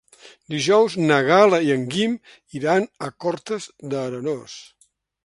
Dijous na Gal·la i en Guim iran a Cortes d'Arenós.